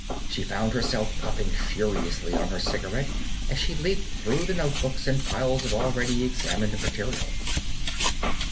She found herself puffing furiously on her cigarette as she leafed through notebooks and piles of already examined material.